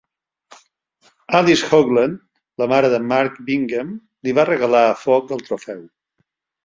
Alice Hoagland, la mare de Mark Bingham, li va regalar a Fog el trofeu.